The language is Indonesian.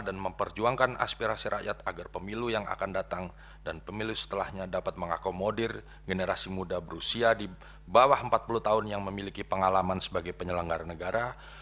dan memperjuangkan aspirasi rakyat agar pemilu yang akan datang dan pemilu setelahnya dapat mengakomodir generasi muda berusia di bawah empat puluh tahun yang memiliki pengalaman sebagai penyelenggara negara